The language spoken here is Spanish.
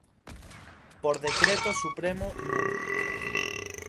Por Decreto Supremo núm.